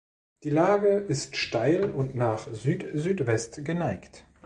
Die Lage ist steil und nach Südsüdwest geneigt.